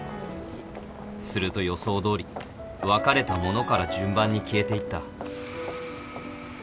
すると予想通り別れた者から順番に消えて行った